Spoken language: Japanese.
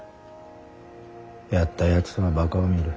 やったやつはバカを見る。